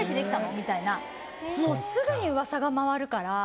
みたいなもうすぐに噂が回るから。